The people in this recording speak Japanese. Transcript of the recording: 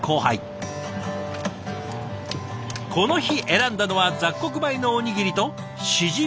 この日選んだのは雑穀米のおにぎりとしじみのみそ汁。